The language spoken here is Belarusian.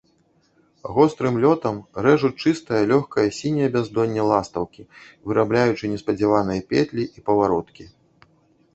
Гострым лётам рэжуць чыстае, лёгкае, сіняе бяздонне ластаўкі, вырабляючы неспадзяваныя петлі і павароткі.